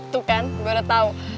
tuh kan gue udah tau